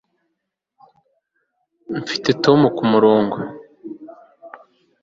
mfite tom kumurongo